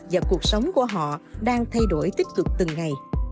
và cuộc sống của họ đang thay đổi tích cực từng ngày